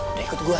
udah ikut gue yuk